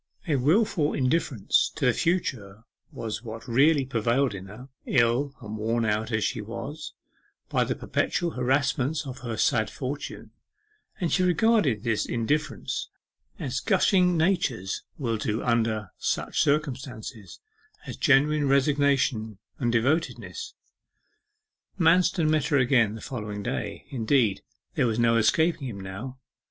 A wilful indifference to the future was what really prevailed in her, ill and worn out, as she was, by the perpetual harassments of her sad fortune, and she regarded this indifference, as gushing natures will do under such circumstances, as genuine resignation and devotedness. Manston met her again the following day: indeed, there was no escaping him now.